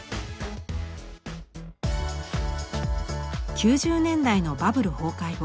９０年代のバブル崩壊後